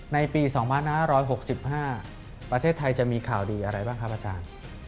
ในปี๒๕๖๕ประเทศไทยจะมีข่าวดีอะไรบ้างครับอาจารย์